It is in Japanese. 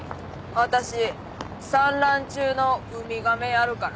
私産卵中のウミガメやるから。